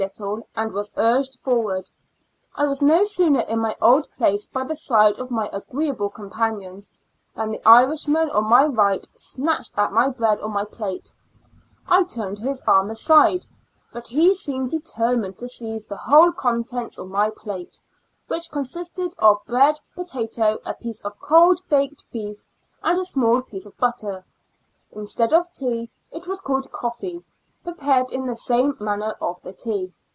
little, " and was urged forward. I was no soouei' in my old place by the side of my agreeable companions, than the Irishman on my right snatched at my bread on my plate ; I turned his arm aside, but he seemed determined to sieze the whole contents of my plate, which consisted of bread, potato, a piece of cold baked beef and a small piece of butter. Instead of tea, it was called coffee, prepared in the same manner of the tea.